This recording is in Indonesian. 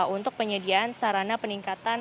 untuk penyediaan sarana peningkatan